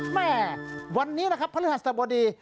แหม่วันนี้นะครับพระธรรมดี